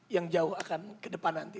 yang jauh akan kedepan nanti